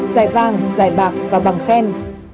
giải vàng giải bạc và bằng khen